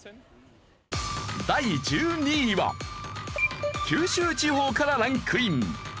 第１２位は九州地方からランクイン。